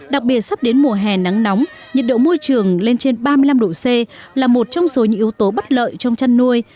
đặc biệt sắp đến mùa hè nắng nóng nhiệt độ môi trường lên trên ba mươi năm độ c là một trong số những yếu tố bất lợi trong chăn nuôi